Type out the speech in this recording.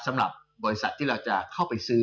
สำหรับบริษัทที่เราจะเข้าไปซื้อ